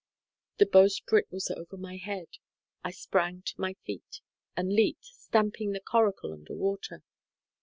The bowsprit was over my head. I sprang to my feet, and leaped, stamping the coracle under water.